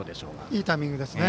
いいタイミングですね